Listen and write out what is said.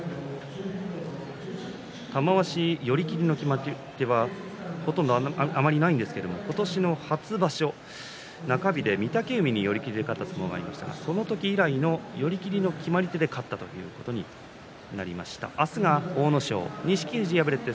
玉鷲寄り切りの決まり手はあまりないんですが今年の初場所、中日で御嶽海に寄り切りで勝った相撲がありましたがその時以来の寄り切りの決まり手で勝ったということになりました。